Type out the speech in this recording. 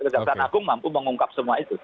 kejaksaan agung mampu mengungkap semua itu